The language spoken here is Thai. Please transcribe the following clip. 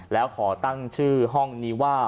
แล้วขอตั้งชื่อห้องนี้ว่า